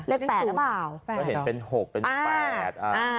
แปดหรือเปล่าแปดก็เห็นเป็นหกเป็นแปดอ่า